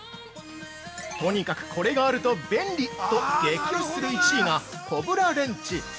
◆とにかくこれがあると便利！と激推しする１位がコブラレンチ。